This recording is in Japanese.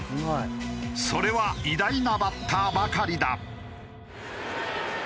それは偉大なバッターばかりだ。